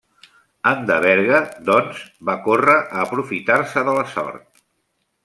En Deberga, doncs, va córrer a aprofitar-se de la sort.